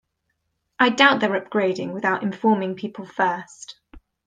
I doubt they're upgrading without informing people first.